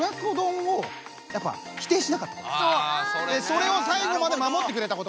それを最後までまもってくれたこと。